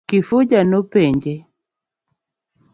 Kifuja no penjo.